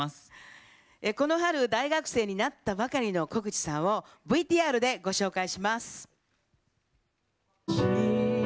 この春、大学生になったばかりの小口さんをＶＴＲでご紹介します。